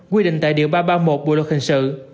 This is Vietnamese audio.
quy định tại điều ba trăm ba mươi một bộ luật hình sự